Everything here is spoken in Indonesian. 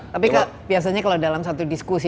tapi biasanya kalau dalam satu diskusi